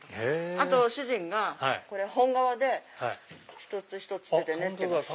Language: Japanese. あと主人が本革で一つ一つ手で縫ってます。